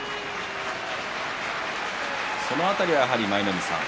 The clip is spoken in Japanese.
その辺りは舞の海さん